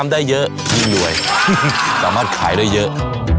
น้ำได้เยอะพี่รวยฮิฮิสามารถขายได้เยอะ